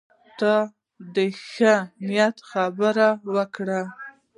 تل د ښه نیت خبرې وکړه.